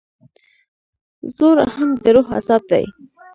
زوړ اهنګ د روح عذاب دی.